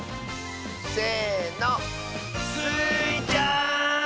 せの！スイちゃん！